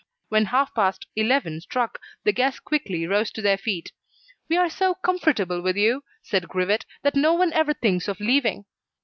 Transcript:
When half past eleven struck, the guests quickly rose to their feet. "We are so comfortable with you," said Grivet, "that no one ever thinks of leaving."